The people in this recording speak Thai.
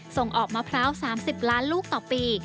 ส่งออกมะพร้าว๓๐ล้านลูกต่อปี